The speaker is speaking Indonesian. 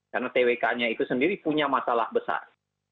karena twk nya itu sendiri punya masalah besar